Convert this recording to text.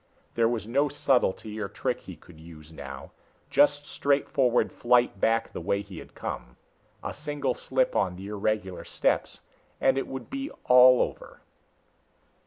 There was no subtlety or trick he could use now, just straightforward flight back the way he had come. A single slip on the irregular steps and it would be all over.